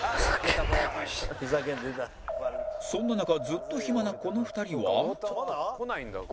そんな中ずっと暇なこの２人は